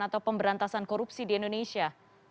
atau pemberantasan korupsi di indonesia